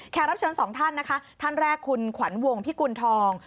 รับเชิญสองท่านนะคะท่านแรกคุณขวัญวงพิกุณฑอง